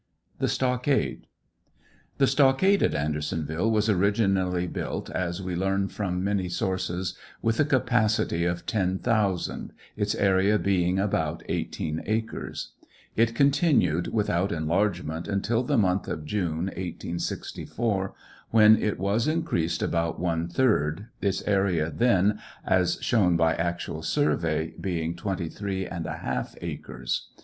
THE STOCKADE. The stockade at Andersonville was originally built, as we learn from many sources, with a capacity of 10,000, its area being about eighteen acres. It con tinued without enlargement until the month of June, 1864, when it was increased about one third, its area then, as shown by actual survey, being 23J acres.